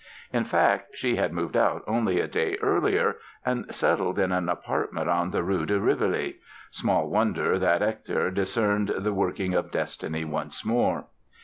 In fact, she had moved out only a day earlier and settled in an apartment on the Rue de Rivoli. Small wonder that Hector discerned the working of destiny once more!